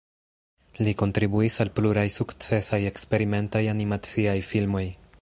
Li kontribuis al pluraj sukcesaj eksperimentaj animaciaj filmoj.